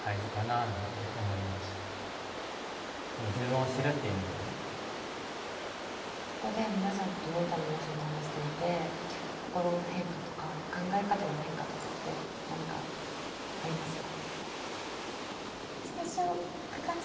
だからそれと同じようにここで皆さんとメンターの皆さんと話してみて心の変化とか考え方の変化とかって何かありますか？